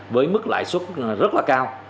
với mức lãi xuất rất là cao